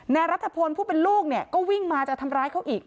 นายรัฐพลผู้เป็นลูกเนี่ยก็วิ่งมาจะทำร้ายเขาอีก